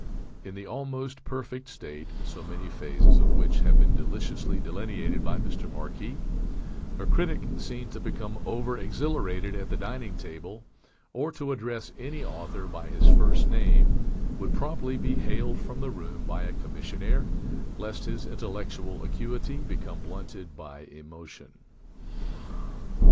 In the Almost Perfect State (so many phases of which have been deliciously delineated by Mr. Marquis) a critic seen to become over exhilarated at the dining table or to address any author by his first name would promptly be haled from the room by a commissionaire lest his intellectual acuity become blunted by emotion.